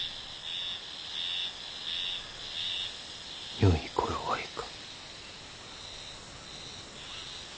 よい頃合いか。